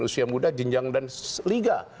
usia muda jenjang dan liga